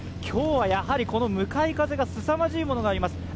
今日はこの向かい風がすさまじいものがあります。